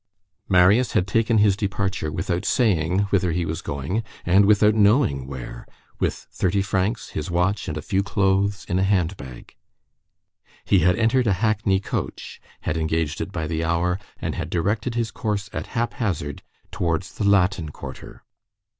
Marius had taken his departure without saying whither he was going, and without knowing where, with thirty francs, his watch, and a few clothes in a hand bag. He had entered a hackney coach, had engaged it by the hour, and had directed his course at hap hazard towards the Latin quarter.